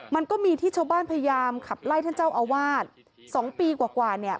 มันก็มีที่ชาวบ้านพยายามขับไล่ท่านเจ้าอาวาส๒ปีกว่าเนี่ย